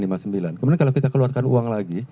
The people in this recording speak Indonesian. kemudian kalau kita keluarkan uang lagi